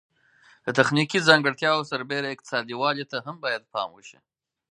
د تخنیکي ځانګړتیاوو سربیره اقتصادي والی ته هم باید پام وشي.